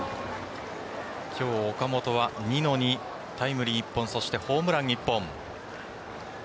今日、岡本は２の２タイムリー１本ホームラン１本。